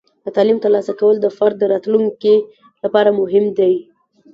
د تعلیم ترلاسه کول د فرد د راتلونکي لپاره مهم دی.